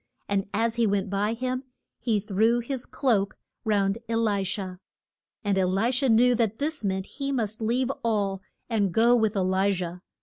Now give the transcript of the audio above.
And as he went by him he threw his cloak round E li sha. And E li sha knew that this meant he must leave all and go with E li jah.